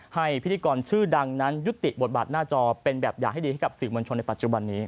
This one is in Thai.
พิธีกรชื่อดังนั้นยุติบทบาทหน้าจอเป็นแบบอย่างให้ดีให้กับสื่อมวลชนในปัจจุบันนี้